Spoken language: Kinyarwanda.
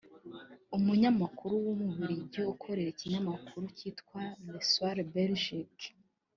umunyamakuru w’Umubiligi ukorera ikinyamakuru cyitwa Le Soir Belgique